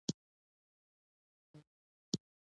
مس د افغانستان په ستراتیژیک اهمیت کې رول لري.